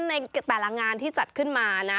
ในแต่ละงานที่จัดขึ้นมานะ